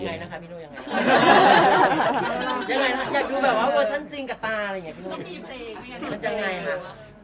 อยากดูเวอร์ชันจริงกับตามันจะยังไงนะ